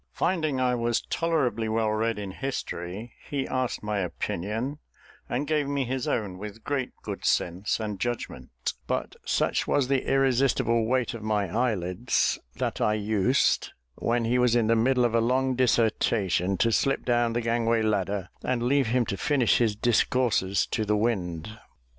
Finding I was tolerably well read in history, he asked my opinion, and gave me his own with great good sense and judgment; but such was the irresistible weight of my eyelids, that I used, when he was in the midst of a long dissertation, to slip down the gangway ladder and leave him to finish his discourses to the wind.